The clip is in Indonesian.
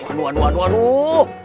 aduh aduh aduh